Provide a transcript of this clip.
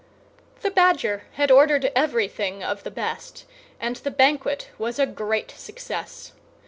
The Badger had ordered everything of the best, and the banquet was a great success.